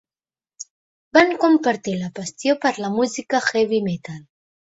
Van compartir la passió per la música heavy-metal.